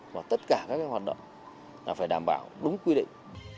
và tất cả các hoạt động là phải đảm bảo đúng quy định